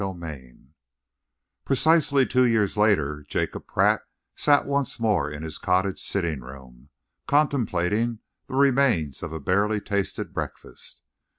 CHAPTER I Precisely two years later, Jacob Pratt sat once more in his cottage sitting room, contemplating the remains of a barely tasted breakfast.